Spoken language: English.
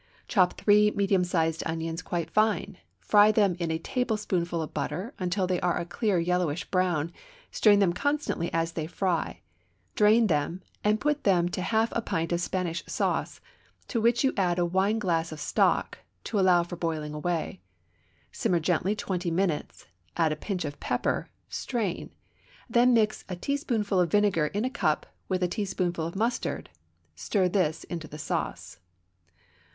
Chop three medium sized onions quite fine; fry them in a tablespoonful of butter until they are a clear yellowish brown, stirring them constantly as they fry; drain them, and put them to a half pint of Spanish sauce, to which you add a wineglass of stock (to allow for boiling away); simmer gently twenty minutes; add a pinch of pepper; strain; then mix a teaspoonful of vinegar in a cup with a teaspoonful of mustard; stir this into the sauce.